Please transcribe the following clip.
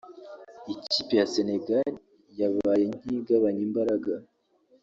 ikipe ya Senegal yabaye nk’igabanya imbaraga